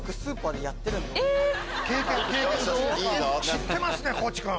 知ってますね地君。